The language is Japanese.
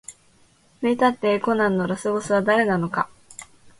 名探偵コナンのラスボスは誰なのか